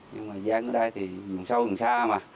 nhưng mà dán ở đây thì dùng sâu dùng xa mà